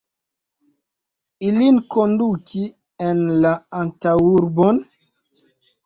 ilin konduki en la antaŭurbon?